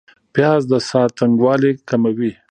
پیاز د ساه تنګوالی کموي